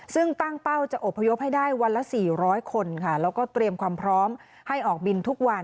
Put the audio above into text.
ซึ่งตั้งเป้าจะอบพยพให้ได้วันละ๔๐๐คนค่ะแล้วก็เตรียมความพร้อมให้ออกบินทุกวัน